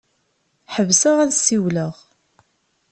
Ḥebseɣ ad ssiwleɣ.